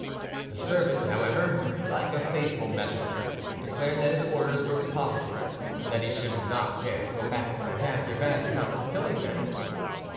The servant, however, like a faithful messenger, declared that his orders were positive, and that he should not dare go back to Madame d'Urban without fulfilling them.